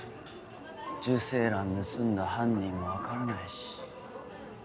受精卵盗んだ犯人も分からないし。